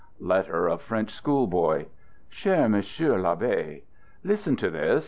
{Letter of French Schoolboy) Cher Monsieur TAbbe: Listen to this!